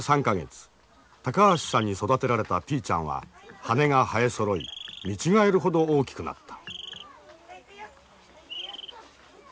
高橋さんに育てられたピーちゃんは羽が生えそろい見違えるほど大きくなった。